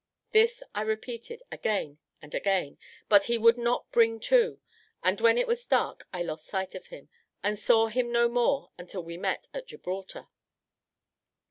This I repeated again and again; but he would not bring to; and when it was dark, I lost sight of him, and saw him no more until we met at Gibraltar.